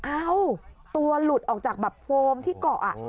เอ้าตัวหลุดออกจากแบบโฟมที่เกาะ